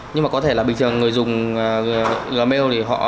nhưng mà có thể là bình thường người dùng gmail thì họ